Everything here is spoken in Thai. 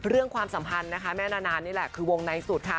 ความสัมพันธ์นะคะแม่นานานี่แหละคือวงในสุดค่ะ